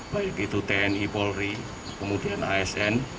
baik itu tni polri kemudian asn